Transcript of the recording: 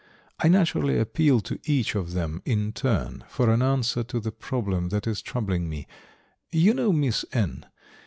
I naturally appeal to each of them in turn for an answer to the problem that is troubling me. You know Miss N.